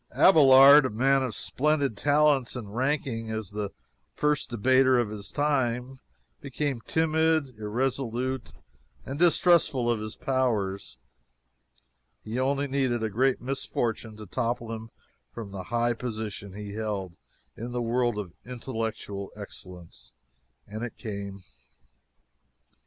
Abelard, a man of splendid talents, and ranking as the first debater of his time, became timid, irresolute, and distrustful of his powers. He only needed a great misfortune to topple him from the high position he held in the world of intellectual excellence, and it came.